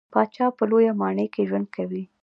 پاچا په لويه ماڼۍ کې ژوند کوي .